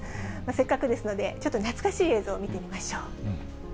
せっかくですので、ちょっと懐かしい映像を見てみましょう。